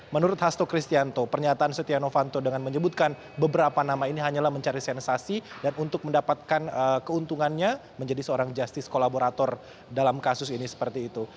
menurut hasto kristianto pernyataan setia novanto dengan menyebutkan beberapa nama ini hanyalah mencari sensasi dan untuk mendapatkan keuntungannya menjadi seorang justice kolaborator dalam kasus ini seperti itu